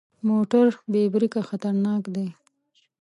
موټر بې بریکه خطرناک دی.